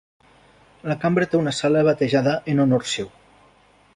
La Cambra te una sala batejada en honor seu.